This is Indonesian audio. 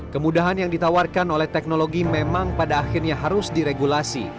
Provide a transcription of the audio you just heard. kemudahan yang ditawarkan oleh teknologi memang pada akhirnya harus diregulasi